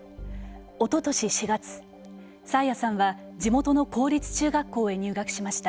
おととし４月、爽彩さんは地元の公立中学校へ入学しました。